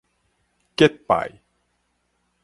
結拜